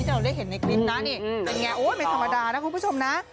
เราได้เห็นในคลิปนะนี่เป็นไงโอ้ยไม่ธรรมดานะคุณผู้ชมนะ